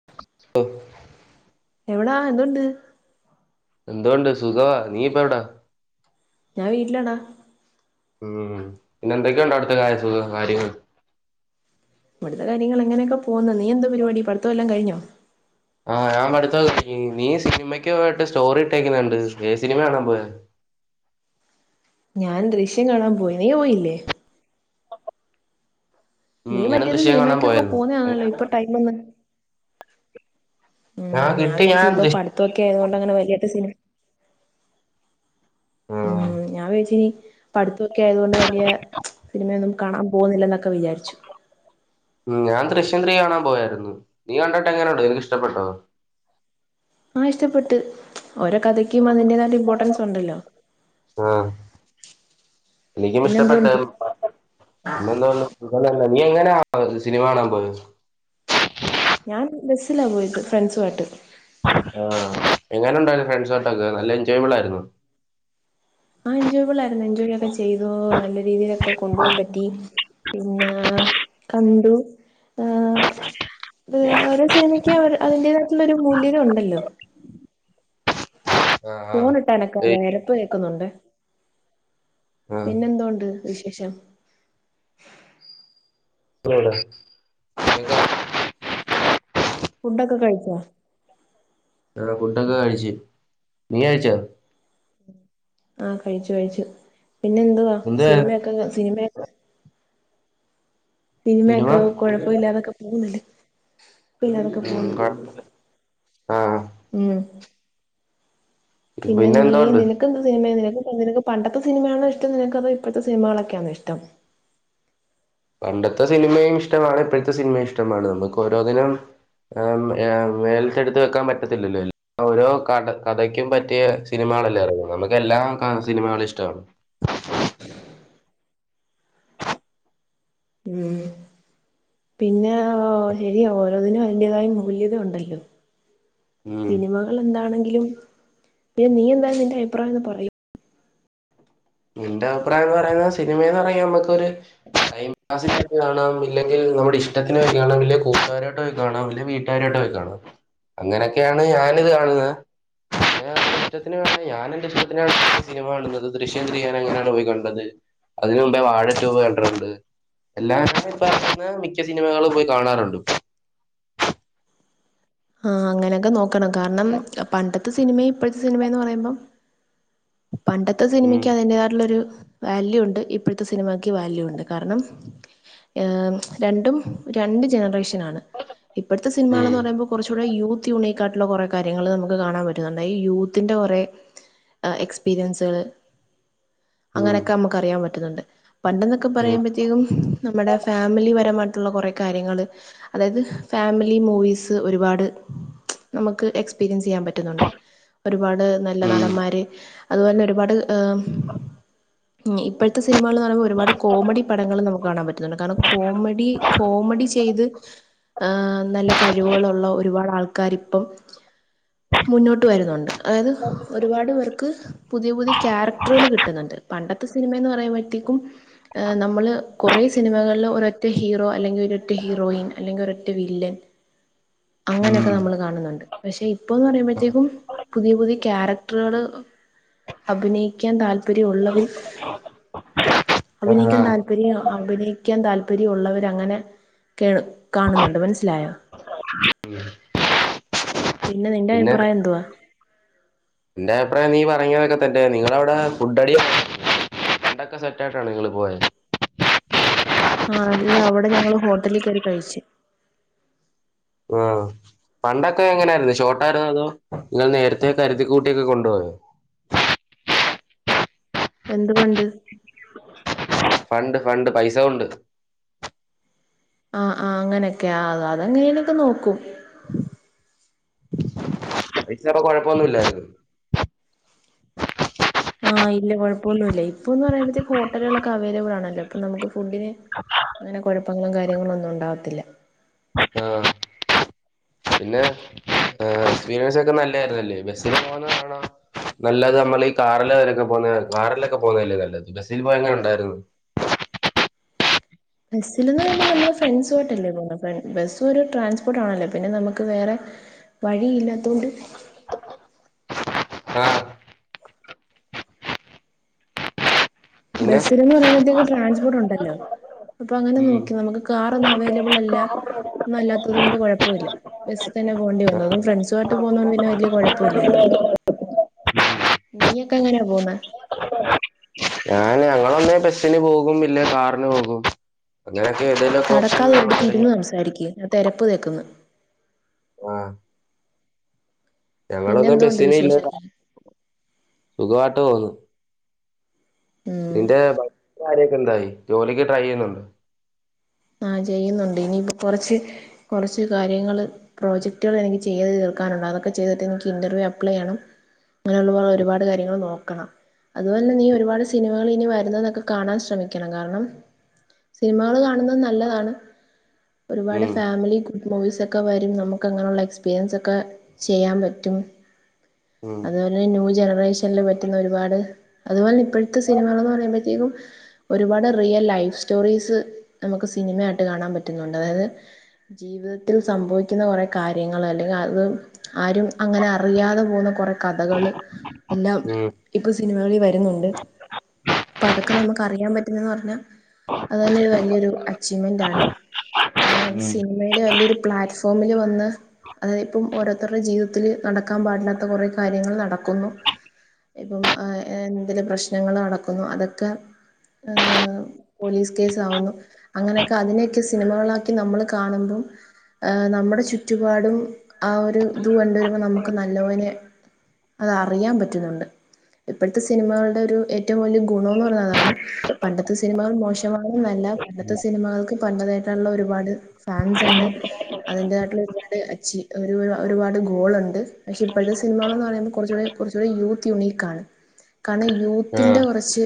[inaudible] എവിടാ എന്തുണ്ട് എന്തൊണ്ട് സുഖവാ. നീ ഇപ്പ എവിടാ ഞാൻ വീട്ടിലാടാ. ഉം പിന്നെ എന്തൊക്കെയുണ്ട് അവിടുത്തെ കാഴ്ചകൾ കാര്യങ്ങൾ ഇവിടുത്തെ കാര്യങ്ങള് അങ്ങനെയൊക്കെ പോവുന്നു. നീ എന്താ പരിപാടി പഠിത്തം എല്ലാം കഴിഞ്ഞോ ആഹ് ഞാൻ പഠിത്തം ഒക്കെ കഴിഞ്ഞു. നീ സിനിമയ്ക്ക് പോയിട്ട് സ്റ്റോറി ഇട്ടേക്കുന്ന കണ്ട്, ഏതു സിനിമയാകാണാൻ പോയത്. ഞാൻ ദൃശ്യം കാണാൻ പോയി. നീ പോയില്ലേ ഉം നീ ഞാനും മറ്റേത് ദൃശ്യം കാണാൻ സിനിമയ്ക്കൊക്കെ പോയാരുന്നു പോവുന്നതാണല്ലോ ഇപ്പൊ ടൈം എങ്ങനെ ഉം ഞാൻ വിചാരിച്ചു ഇപ്പൊ പഠിത്തൊക്കെ ആയതൊണ്ട് അങ്ങനെ വലിയ [unintelligible] സിനിമ ആഹ് ഉം ഞാൻ വിചാരിച്ചിനി പഠിത്തൊക്കെ ആയതൊണ്ട് വലിയ സിനിമയൊന്നും കാണാൻ പോകുന്നില്ല എന്നൊക്കെ വിചാരിച്ചു ഉം ഞാൻ ദൃശ്യം ത്രീ കാണാൻ പോയായിരുന്നു. നീ കണ്ടിട്ട് എങ്ങനെയുണ്ട്. ഇഷ്ടപ്പെട്ടോ. ആഹ് ഇഷ്ടപ്പെട്ട്. ഓരോ കഥയ്ക്കും അതിൻ്റെതായിട്ടുളള ഇമ്പോർട്ടൻസ് ഉണ്ടല്ലോ. ആഹ്. എനിക്കും പിന്നെ ഇഷ്ടപ്പെട്ടു. എന്തുകൊണ്ട് പിന്നെ എന്താണ് സുഖം തന്നെ. നീ എങ്ങനെയാ സിനിമ കാണാൻ പോയത്. ഞാൻ ബസ്സിലാ പോയത്. ഫ്രണ്ട്സുവായിട്ട്. ആഹ് എങ്ങനെ ഉണ്ടായിരുന്നു ഫ്രണ്ട്സോട്ടൊക്കെ നല്ല എൻജോയബിൾ ആയിരുന്നോ ആഹ് എൻജോയ്ബിൾ ആയിരുന്നു. എൻജോയ് ഒക്കെ ചെയ്തു നല്ല രീതിയിലൊക്കെ കൊണ്ടു പോവാൻ പറ്റി. പിന്നെ കണ്ടു ഏഹ് ഓരോ സിനിമ ക്ക്യും അതിന്റേതായിട്ടുള്ള ഒരു മൂല്യത ഉണ്ടല്ലോ ആഹ് ആഹ് ഫോണ് ഇട്ടാനക്കാ ഏയ് എരപ്പ് കേക്കുന്നുണ്ട്. ആഹ് പിന്നെന്തോണ്ട് വിശേഷം [unintelligible] ഫുണ്ടൊക്കെ കഴിച്ചോ. ആഹ് ഫുഡൊക്കെ കഴിച്ചു. നീ കഴിച്ചോ ആഹ് കഴിച്ചു, കഴിച്ചു. പിന്നെ എന്തുവാ. എന്തായിരുന്നു സിനിമയൊക്കെ സിനിമ സിനിമ സിനിമയൊക്കെ കുഴപ്പം ഇല്ലാതൊക്കെ പോകുന്നില്ലേ. പിന്നെ അതൊക്കെ ഉം പോകുന്നില്ലേ. കൊഴപ്പ ആഹ് ഉം പിന്നെ നീ നിനക്ക് എന്ത് സിനിമ നിനക്ക്, നിനക്ക് പണ്ടത്തെ സിനിമയാണോ ഇഷ്ടം. നിനക്ക് അത് ഇപ്പത്തെ സിനമകളൊക്കെയാണോ ഇഷ്ടം പണ്ടത്തെ സിനിമയും ഇഷ്ടമാണ്. ഇപ്പഴത്തെ സിനിമയും ഇഷ്ടമാണ്. നമുക്ക് ഓരോന്നിനും. ആ ഏഹ് മേൽത്തെടുത്ത് വെക്കാൻ പറ്റത്തില്ലല്ലോ. ഓരോ കഥ, കഥയ്ക്കും പറ്റിയ സിനിമകളല്ലേ ഇറങ്ങു. നമുക്ക് എല്ലാ സിനിമകളും ഇഷ്ടമാണ് [inaudible] ഉം പിന്നെ ശരിയാ ഓരോന്നിനും അതിന്റേതായ മൂല്യത ഉണ്ടല്ലോ ഉം സിനിമകൾ എന്താണെങ്കിലും, പിന്നെ നീ എന്തായാലും നിന്റെ അഭിപ്രായം ഒന്ന് പറയൂ നിന്റെ അഭിപ്രായം എന്ന് പറയുന്ന സിനിമയെന്ന് പർഞ്ഞ നമ്മക്കൊരു ടൈം പാസിനു കാണാം, ഇല്ലെങ്കിൽ നമ്മുടെ ഇഷ്ടത്തിനൊക്കെ കാണാം, കൂട്ടുകാരായിട്ട് കാണാം. ഇല്ലേ വീ ട്ടുകാരുടെ കൂടെ പോയി കാണും. അങ്ങനെയൊക്കെയാണ് ഞാനിത് കാണുന്നത്. ഇഷ്ടത്തിന് വേണ്ടി ഞാനെൻ്റെ ഇഷ്ടത്തിനാ സിനിമ കാണുന്നത്. ദൃശ്യം മൂന്ന് ഞാൻ അങ്ങനെയാണ് പോയികണ്ടത്. അതിന് മുമ്പേ വാഴ ടു കണ്ടിട്ടുണ്ട് എല്ലാ ഇപ്പം ഇറങ്ങുന്ന മിക്ക സിനിമകൾ പോയി കാണാറുണ്ട്. ആ അങ്ങനെയൊക്കെ നോക്കണം. കാരണം പണ്ടത്തെ സിനിമയും ഇപ്പഴത്തെ സിനിമയന്ന് പറയുമ്പം പണ്ടത്തെ ഉം സിനിമയ്ക്ക് അതിൻ്റെതായിട്ടുള്ളൊരു വാല്യൂ ഉണ്ട് ഇപ്പഴത്തെ സിനിമയ്ക്ക് വാല്യൂ ഉണ്ട്. കാരണം രണ്ടും രണ്ട് ജനറേഷനാണ് ഇപ്പഴത്തെ ഉം സിനിമകളന്ന് പറയുമ്പോൾ കുറച്ചുകൂടെ യൂത്ത് ത്യുണീക്കാട്ടിലോ കൊറെ കാര്യങ്ങൾ നമുക്ക് കാണാൻ പറ്റുന്നുണ്ട്. ഈ യൂത്തിന്റെ കൊറെ ആ എക്സ്പീരിയൻസുകള് ഉം അങ്ങനൊക്കെ നമുക്ക് അറിയാൻ പറ്റുന്നുണ്ട്. പണ്ടെന്നൊക്കെ ഉം പറയുമ്പോ ത്തേക്കും നമ്മടെ ഫാമിലി പരമായിട്ടുള്ള കൊറെ കാര്യങ്ങള് അതായത് ഫാമിലി മൂവീസ് ഒരുപാട് നമുക്ക് എക്സ്പീരിയൻസെയ്യാൻ പറ്റും. ട്ടുന്നുണ്ട് ഒരുപാട് നല്ല ഉം നടന്മാര്. അതുപോലെന്നെ ഒരുപാട് ഉം ഇപ്പോ ത്തെ സിനിമകളന്ന് പറയുമ്പോ ഒരുപാട് കോമഡി പടങ്ങൾ നമുക്ക് കാണാൻ പറ്റുന്നുണ്ട് കാരണം കോമഡി കോമഡി ചെയ്ത് ആഹ് നല്ല കഴിവോളുള്ള ഒരുപാട് ആൾക്കാര് ഇപ്പം മുന്നോട്ട് വരുന്നോണ്ട് അതായത് ഒരുപാട് പേർ ക്ക്‌ പുതിയ പുതിയ ക്യാരക്ടറുകൾ കിട്ട്ന്നിണ്ട് പണ്ടത്തെ സിനിമയെന്ന് പറയുമ്പഴ്ത്തെക്കും ഏഹ് നമ്മള് കൊറേ സിനിമകളില് ഒരൊറ്റ ഹീറോ അല്ലെങ്ക് ഒരൊറ്റ ഹീറോയിൻ അല്ലെങ്ക് ഒരൊറ്റ വില്ലൻ. ഉം അങ്ങനോക്കെ നമ്മള് കാണുന്നൊണ്ട്. പക്ഷെ ഇപ്പൊന്ന് പറയുമ്പോഴ്ത്തേക്കും പുതിയ പുതിയ ക്യാരക്ടറുകള് അഭിനയിക്കാൻ താല്പര്യം ഉള്ളവര് അഭിനയിക്കാൻ ആഹ് താൽ പര്യം അഭിനയിക്കാൻ താല്പര്യം ഒള്ളവര് അങ്ങനെ കേ കാണുന്നുണ്ട് മനസ്സിലായോ. പിന്നെ നിന്റെ അഭിപ്രായം എന്തുവാ? എന്റെ അഭിപ്രായം നീ പറഞ്ഞിയതൊക്കെ തന്നെ നിങ്ങളവിടെ ഫുഡ് അടിയ ഡോക്കെ സെറ്റ് ആയിട്ടാണോ നിങ്ങള് പോയെ? ആഹ് അല്ല അവിടെ ഞങ്ങള് ഹോട്ടല്ല് കേറി കഴിച്ചു. ആഹ്. പണ്ടൊക്കെ എങ്ങനെ ആയിരുന്നു ഷോട്ടായിരുന്നോ അതോ നിങ്ങൾ നേരത്തെ കരുതി കൂട്ടിക്കെ കൊണ്ടുപോയോ എന്തുകൊണ്ട്? ഫണ്ട് ഫണ്ട് പൈസ കൊണ്ട്. ആഹ് ആഹ് അങ്ങനെയൊക്ക അത അതെങ്ങനെലോക്കെ നോക്കും. ഇച്ചപ്പോ കൊഴപ്പൊന്നുല്ലായിരുന്നു. ആഹ് ഇല്ല കൊഴപ്പോന്നുല്ല ഇപ്പൊന്ന് പറയുമ്പത്തേക്ക് ഹോട്ടലുകളൊക്കെ അവൈലബിൾ ആണല്ലോ ഇപ്പൊ നമുക്ക് ഫുഡിന് അങ്ങനെ കൊഴപ്പങ്ങളും കാര്യങ്ങളും ഒന്നും ഉണ്ടാവത്തില്ല. ആഹ്. പിന്നെ ഏഹ് എക്സ്പീരിയൻസ് ഒക്കെ നല്ലെ ആയിരുന്നല്ലേ ബസ്സിന് പോന്നെ ആണോ നല്ലത് നമ്മള് ഈ കാറില് വരെ ഒക്കെ പോന്നെ കാറിലൊക്കെ പോന്നല്ലേ നല്ലത് ബസ്സിൽ പോയെ എങ്ങനെ ഒണ്ടായിരുന്നു? ബസ്സില്ന്ന് പറയുമ്പ നമ്മള് ഫ്രണ്ട്സുമായിട്ടല്ലേ പോക ബസ് ഒരു ട്രാൻസ്പോർട്ട് ആണല്ലേ പിന്നെ നമുക്ക് വേറെ വഴി ഇല്ലാത്തോണ്ട്. ആഹ്. പിന്നെ ബസ്സില്ന്ന് പറയുമ്പത്തേക്ക് ട്രാൻസ്പോർട്ട് ഒണ്ടല്ലോ. അപ്പൊ അങ്ങനെ ഉം നോക്കി നമുക്ക് കാറൊന്നും അവൈലബിൾ അല്ല ഒന്നും അല്ലാത്തത് കൊണ്ട് കൊഴപ്പോ ഇല്ല. ബസ് തന്നെ പോകേണ്ടി വന്നു ആഹ് അതും ഫ്രണ്ട്സും ആയിട്ട് പോന്നോണ്ട് പിന്നെ വലിയ കൊഴപ്പോ ഇല്ലായിരുന്നു. നീയോക്കെ എങ്ങന പോന്നേ? [unintelligible] ഞാന് ഞങ്ങളൊ ന്നെ ബസ്സിന് പോകും ഇല്ലെ കാറിന് പോകും അങ്ങനെയൊക്കെ ഏതെലൊക്കെ ഓപ്ഷൻ നമ്മള് [unintelligible] സാരിക്കേ ഞാ തെരപ്പ് തേക്കുന്ന്. ആഹ്. പിന്നെ ഞങ്ങളൊന്നും എന്തോണ്ട് ബസ്സിന് ഇല്ല വിശേഷങ്ങൾ സുഖമായിട്ട് പോണ് ഉം നിന്റെ ബാക്കി കാര്യൊക്കെ എന്തായി ജോലിക്ക് ട്രൈ ചെയ്യുന്നുണ്ടൊ ആഹ് ചെയ്യുന്നുണ്ട് ഇനിപ്പോ കുറച്ച് കുറച്ച് കാര്യങ്ങള് പ്രോജക്ടുകൾ എനിക്ക് ചെയ്ത് തീർക്കാനുണ്ട് അതൊക്കെ ചെയ്തിട്ട് എനിക്ക് ഇന്റർവ്യൂ അപ്ലൈ്യണം അങ്ങനെയുള്ളപോലെ ഒരുപാട് കാര്യങ്ങള് നോക്കണം അതുപോലെ തന്നെ നീ ഒരുപാട് സിനിമകൾ ഇനി വരുന്നതൊക്കെ കാണാൻ ശ്രമിക്കണം കാരണം സിനിമകള് കാണുന്നത് നല്ലതാണ് ഒരുപാട് ഉം ഫാമിലി മൂവീസൊക്കെ വരും നമുക്ക് അങ്ങനെയുള്ള എക്സ്പീരിയൻസൊക്കെ ചെയ്യാൻ പറ്റും ഉം അതെ പിന്നെ ന്യൂ ജനറേഷൻൽ പറ്റുന്ന ഒരുപാട് അതുപോലെന്ന ഇപ്പഴത്തെ സിനിമകളന്ന് പറയുമ്പോഴത്തേക്കും ഒരുപാട് റിയൽ ലൈഫ് സ്റ്റോറീസ് നമുക്ക് സിനിമയായിട്ട് കാണാൻ പറ്റുന്നുണ്ട് അതായത് ജീവിതത്തില് സംഭവിക്കുന്ന കുറെ കാര്യങ്ങള് അല്ലെങ്കിൽ അത് ആരും അങ്ങനെ അറിയാതെ പോകുന്ന കുറെ കഥകള് എല്ലാം ഉം ഇപ്പ സിനിമകളിൽ വരുന്നുണ്ട് അപ്പൊ അതൊക്കെ നമുക്ക് അറിയാൻ പറ്റുന്നന്ന് പറഞ്ഞാ അത് തന്നെ ഒരു വലിയൊരു അച്ചീവ്മെന്റ് ആണ് കാരണം നമുക്ക് ഉം സിനിമെയില് വലിയൊരു പ്ലാറ്റ്ഫോമില് വന്ന് അതായത് ഇപ്പം ഓരോരുത്തരുടെ ജീവിതത്തില് നടക്കാൻ പാടില്ലാത്ത കുറെ കാര്യങ്ങൾ നടക്കുന്നു ഇപ്പം എന്തെലും പ്രശ്നങ്ങൾ നടക്കുന്നു അതൊക്കെ ആഹ് പോലീസ് കേസാവുന്നു അങ്ങനെയൊക്കെ അതിനെയൊക്കെ സിനിമകളാക്കി നമ്മള് കാണുമ്പം നമ്മുടെ ചുറ്റുപാടും ആ ഒരു ഇത് കണ്ടരുമ്പം നമുക്ക് നല്ലപോലെ അതറിയാൻ പറ്റുന്നുണ്ട് ഇപ്പയ്ത്തെ സിനിമകളുടെ ഒരു ഏറ്റവും വലിയ ഗുണോന്ന് പറയതാണ് പണ്ടത്തെ സിനിമകൾ മോശമാണെന്നല്ല പണ്ട ത്ത സിനിമകൾക്ക് പണ്ടതായിട്ടുള്ള ഒരുപാട് ഫാൻസ് ഉണ്ട് അതിൻ്റെതായിട്ടുള്ള ഒരുപാട് അച്ചീ ഒരു ഒരുപാട് ഗോളുണ്ട് പക്ഷേ ഇപ്പയ്ത്തെ സിനിമകളെന്ന് പറയുമ്പോ കൊർചൂടെ കുറച്ചൂടെ യൂത്ത് യൂണീക്ക് ആണ് കാരണം യൂത്തിന്റെ ആഹ് കുറച്ച്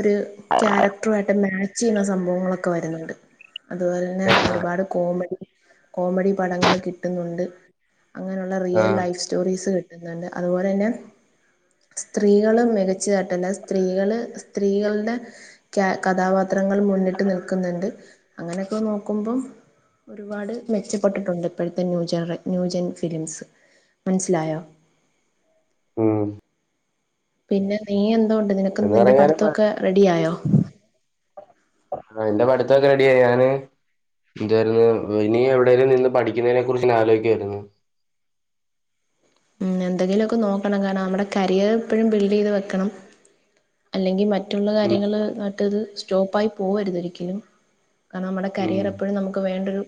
ഒരു ക്യാരക്ടറുയിട്ട് മാച്ചയ്യുന്ന സംഭവ ങ്ങളൊക്കെ വരുന്നുണ്ട് അതുപോലെ തന്നെ ആഹ് ഒരുപാട് കോമഡി കോമഡി പടങ്ങൾ കിട്ടുന്നുണ്ട് അങ്ങനെയുള്ള റിയൽ ആഹ് ലൈഫ് സ്റ്റോറീസ് കിട്ടുന്നുണ്ട് അതുപോലെന്നെ സ്ത്രീകളും മികച്ചതാട്ട എന്നാ സ്ത്രീകള് സ്ത്രീകളുടെ കഥാപാത്രങ്ങൾ മുന്നിട്ട് നിൽക്കുന്നുണ്ട് അങ്ങനെയൊക്കെ നോക്കുമ്പം ഒരുപാട് മെച്ചപ്പെട്ടിട്ടുണ്ട് ഇപ്പഴത്തെ new genera new gen films മൻസ്സിലായോ ഉം പിന്നെ നീ എന്തോണ്ട് നിനക്ക് എന്ന് നിന്റെ പറഞ്ഞാല് പ- പഠിത്തക്കെ റെഡിയായോ ആഹ് ഇന്റെ പഠിത്തൊക്കെ റെഡിയായി ഞാന് എന്തായിരുന്നു ഇനി എവിടേലും നിന്ന് പഠിക്കുന്നതിനെ കുറിച്ച് ആലോയിക്കയായിരുന്നു ഉം എന്തെങ്കിലൊക്കെ നോക്കണം കാരണം നമ്മടെ കരിയർ എപ്പഴും ബിൽഡ് ചെയ്ത് വെക്കണം അല്ലെങ്കിൽ മറ്റുള്ള ഉം കാര്യങ്ങള് മറ്റത് സ്റ്റോപ്പായി പോവരുത് ഒരിക്കലും കാരണം നമ്മുടെ ഉം കരിയർ എപ്പഴും നമുക്ക് വേണ്ടരു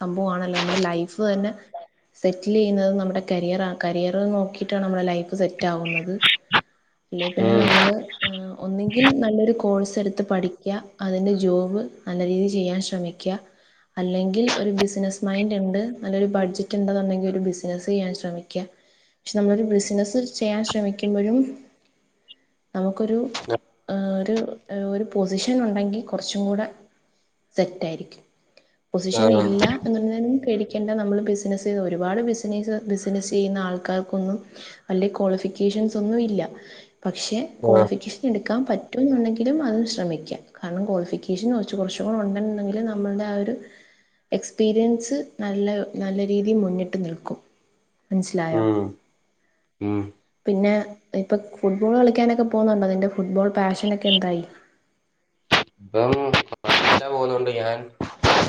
സംഭവാണല്ലോ നമ്മുടെ ലൈഫ് തന്നെ സെറ്റിലെയ്യുന്നത് നമ്മുടെ കരിയറാ കരിയർ നോക്കിട്ടാണ് നമ്മുടെ ലൈഫ് സെറ്റ് ആകുന്നത് അല്ലെ പിന്നെ ഉം നമ്മള് ഒന്നെങ്കിൽ നല്ലൊരു കോഴ്സ് എടുത്ത് പഠിക്ക അതിന്റെ ജോബ് നല്ല രീതിയിൽ ചെയ്യാൻ ശ്രമിക്ക അല്ലെങ്കിൽ ഒരു ബിസിനസ്സ് മൈന്റ്ണ്ട് നല്ലൊരു ബഡ്ജറ്റ് ഉണ്ടെന്നുണ്ടെങ്കിൽ ഒരു ബിസിനസ്സ് ചെയ്യാൻ ശ്രമിക്ക പക്ഷെ നമ്മളൊരു ബിസിനസ്സ് ചെയ്യാൻ ശ്രമിക്കുമ്പഴും നമുക്കൊരു ഒരു ഒരു പൊസിഷൻ ഉണ്ടെങ്കിൽ കൊറച്ചും കൂടെ സെറ്റായിരിക്കും പൊസിഷൻ ആഹ് ഇല്ല എന്നുണ്ടെങ്കിലും പേടിക്കണ്ട നമ്മള് ബിസിനസ്സ് ഒരുപാട് ബിസിനസ് ബിസിനസ് ചെയ്യുന്ന ആൾ- ആൾകാർക്കൊന്നും വല്ല്യേ കോളിഫിക്കേഷൻ സൊന്നും ഇല്ല പക്ഷെ ആഹ് കോളിഫിക്കേഷൻ എടുക്കാൻ പറ്റുന്നുണ്ടെങ്കിലും അതിന് ശ്രമിക്കാം കാരണം ക്വാളിഫിക്കേഷൻ കൊറച്ച് കുറച്ചും കൂടി ഉണ്ടെന്ന്ണ്ടെങ്കില് നമ്മൾടെ ആ ഒരു എക്സ്പീരിയൻസ് ന്നല്ല ന്നല്ല രീതിയിൽ മുന്നിട്ട് ന്നിൽക്കും മനസ്സിലായോ ഉം ഉം പിന്നെ നി ഇപ്പ ഫുട്ബോൾ കളിക്കാനൊക്കെ പോകുന്നുണ്ടോ നിന്റെ ഫുട്ബോൾ പാഷനൊക്കെ എന്തായി. ഇപ്പം പടിക്കാൻ പോകുന്നുണ്ട് ഞാൻ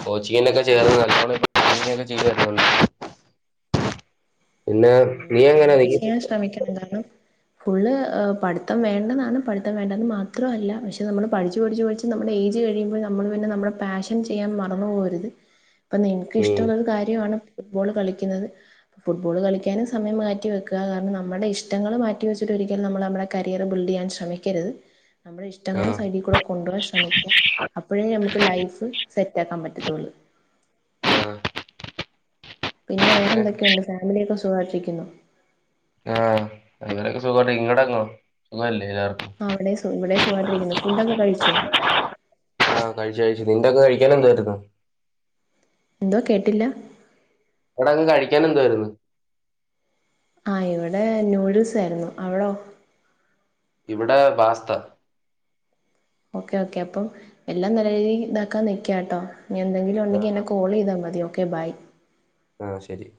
കൊച്ചിങ്ങിനൊക്കെ ചേർന്ന് നല്ലോണം ഇപ്പൊ പ്രാക്ടീസൊക്കെ ചെയ്ത് തരനുണ്ട് പിന്നെ നീ എങ്ങനെ ന്നിക്ക്- ശ്രമിക്കണത് കാരണം ഫുള്ള് പഠിത്തം വേണ്ടതാണ് പഠിത്തം വേണ്ടന്ന് മാത്രൊ അല്ല പക്ഷെ നമ്മള് പഠിച് പഠിച് പഠിച് നമ്മടെ ഏജ് കഴിയുമ്പോ നമ്മള് പിന്നെ ന്നമ്മടെ പാഷൻ ചെയ്യാൻ മറന്നു പോവരുത്. അപ്പൊ ന്നിൻക്ക് ഉം ഇഷ്ട്ടുള്ളൊരു കാര്യവാണ് ഫുട്ബോൾ കളിക്കുന്നത് ഫുട്ബോൾ കളിക്കാനും സമയം മാറ്റി മാറ്റി വെക്കാ കാരണം നമ്മുടെ ഇഷ്ടങ്ങൾ മാറ്റിവെച്ചിട്ട് ഒരിക്കലും നമ്മൾ നമ്മളെ കരിയർ ബിൽഡ് ചെയ്യാൻ ശ്രമിക്കരുത് നമ്മുടെ ഇഷ്ടങ്ങളും ആഹ് സൈഡി കൂടെ കൊണ്ടുവരാൻ ശ്രമിക്ക അപ്പഴേ നമുക്ക് ലൈഫ് സെറ്റ് ആക്കാൻ പറ്റത്തൊള്ളൂ ആഹ് പിന്നെ വേറെ ഏഹ് എന്തൊക്കെയുണ്ട് ഫാമിലിയൊക്കെ സുഖായിട്ടിരിക്കുന്നോ? ആഹ് ഫാമിലിയൊക്കെ സുഗായിട്ടിരിക്കുന്നു ഇങ്ങടെ അവടെ സുഖല്ലേ എല്ലാർ- ആ അവടേം സു ഇവിടേം സുഖായിട്ടിരിക്കുന്നു ഫുഡൊക്കെ കഴിച്ചോ? ആഹ് കഴിച്ചു കഴിച്ചു നിങ്ങകൊക്കെ കഴിക്കാൻ എന്തായിരുന്നു എന്തോ കേട്ടില്ല എടാ അങ്ങ് കഴിക്കാൻ എന്തുവാരുന്നു. ആഹ് ഇവിടെ നൂഡിൽസായിരുന്നു അവടോ ഇവിടെ പാസ്ത ഓക്കെ ഓക്കെ അപ്പം എല്ലാം നല്ല രീതിയിൽ ഇതാക്കാൻ ന്നിക്കാട്ടോ ഇനി എന്തെങ്കിലും ഉണ്ടെങ്കിൽ ആഹ് എന്നെ കോൾ ചെയ്താൽ മതി ഓക്കെ ബൈ ആഹ് ശരി